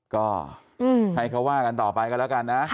ก็ให้เขาว่ากันต่อไปกันแล้วกันนะ